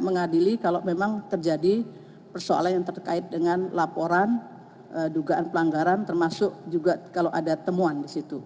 mengadili kalau memang terjadi persoalan yang terkait dengan laporan dugaan pelanggaran termasuk juga kalau ada temuan di situ